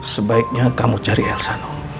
sebaiknya kamu cari elsa